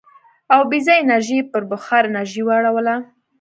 اوبیزه انرژي یې پر بخار انرژۍ واړوله.